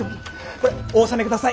これお納めください。